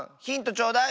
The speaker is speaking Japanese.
ちょうだい。